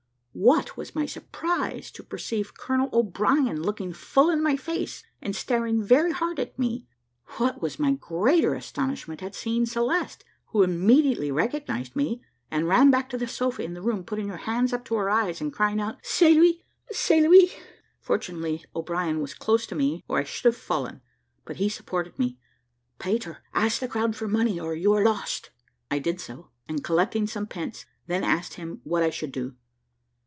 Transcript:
What was my surprise to perceive Colonel O'Brien looking full in my face, and staring very hard at me? what was my greater astonishment at seeing Celeste, who immediately recognised me, and ran back to the sofa in the room, putting her hands up to her eyes, and crying out, "C'est lui, c'est lui!" Fortunately O'Brien was close to me, or I should have fallen, but he supported me. "Peter, ask the crowd for money, or you are lost." I did so, and collecting some pence, then asked him what I should do.